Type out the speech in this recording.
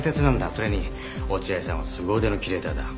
それに落合さんはすご腕のキュレーターだ。